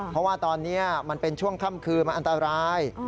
เพราะว่าตอนนี้มันเป็นช่วงค่ำคืนมันอันตราย